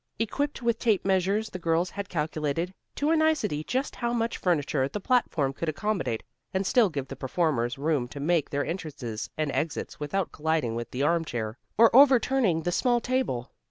Equipped with tape measures the girls had calculated to a nicety just how much furniture the platform could accommodate, and still give the performers room to make their entrances and exits without colliding with the armchair or overturning the small table.